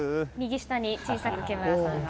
右下に、小さく木村さん。